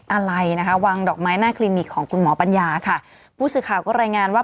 อะไรนะคะวางดอกไม้หน้าคลินิกของคุณหมอปัญญาค่ะผู้สื่อข่าวก็รายงานว่า